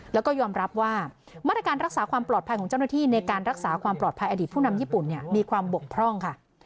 แล้วก็ยอมรับว่ามาตรการรักษาความปลอดภัยของเจ้าหน้าที่ในการรักษาความปลอดภัยอดีตผู้นำญี่ปุ่นมีความบกพร่องค่ะ